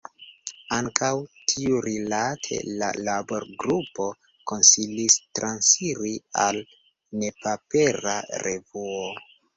Ankaŭ tiurilate la labor-grupo konsilis transiri al nepapera revuo.